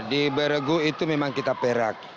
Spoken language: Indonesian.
di beregu itu memang kita perak